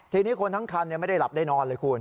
ทีนี้คนทั้งคันไม่ได้หลับได้นอนเลยคุณ